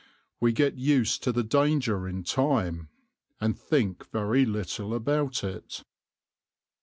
We get used to the danger in time, and think very little about it."